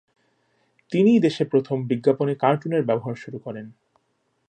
তিনিই দেশে প্রথম বিজ্ঞাপনে কার্টুনের ব্যবহার শুরু করেন।